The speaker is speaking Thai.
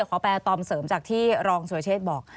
แปลตอมเสริมจากที่รองสุรเชษฐ์บอก